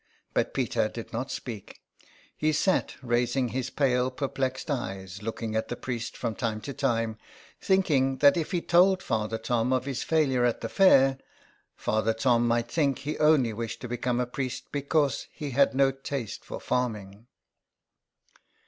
But Peter did not speak ; he sat raising his pale, perplexed eyes, looking at the priest from time to time, thinking that if he told Father Tom of his failure at the fair, Father Tom might think he only wished to become a priest because he had no taste for farming.